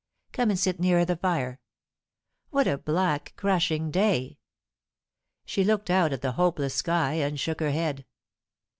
Come and sit nearer the fire. What a black, crushing day!" She looked out at the hopeless sky, and shook her head.